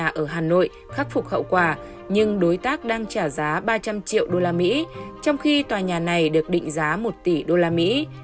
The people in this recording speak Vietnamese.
bà lan đã ở hà nội khắc phục hậu quả nhưng đối tác đang trả giá ba trăm linh triệu usd trong khi tòa nhà này được định giá một tỷ usd